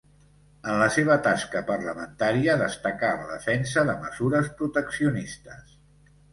En la seva tasca parlamentària destacà la defensa de mesures proteccionistes.